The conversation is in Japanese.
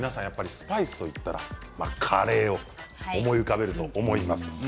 スパイスといったらカレーを思い浮かべると思います。